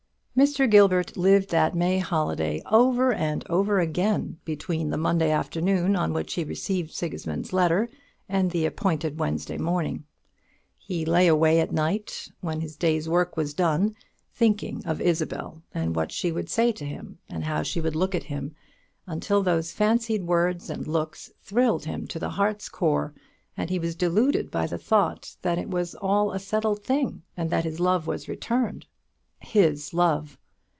Mr. Gilbert lived that May holiday over and over again between the Monday afternoon on which he received Sigismund's letter, and the appointed Wednesday morning. He lay awake at night, when his day's work was done, thinking of Isabel, and what she would say to him, and how she would look at him, until those fancied words and looks thrilled him to the heart's core, and he was deluded by the thought that it was all a settled thing, and that his love was returned. His love!